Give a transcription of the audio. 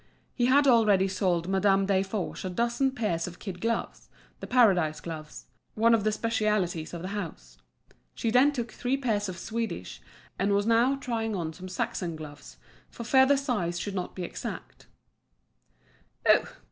He had already sold Madame Desforges a dozen pairs of kid gloves, the Paradise gloves, one of the specialities of the house. She then took three pairs of Swedish, and was now trying on some Saxon gloves, for fear the size should not be exact.